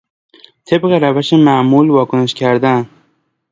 طبق روش معمول واکنش کردن